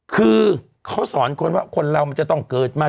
คือเขาสอนคนว่าคนเรามันจะต้องเกิดมา